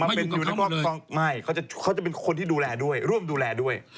ไม่อยู่กับเขาหมดเลยไม่เขาจะเป็นคนที่ดูแลด้วยร่วมดูแลด้วย